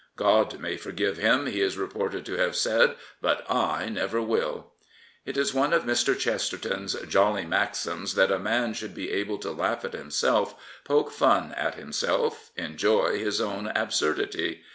" God may forgive him/' he is reported to have said; but I never will." It is one of Mr, Chesterton's jolly maxims that a man should be able to laugh at himself, poke fun at himself, enjoy his own absurdity.